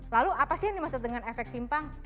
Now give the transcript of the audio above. lalu apa sih yang dimaksud dengan efek simpang